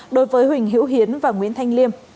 đối với huỳnh hiễu hiến và nguyễn thanh liêm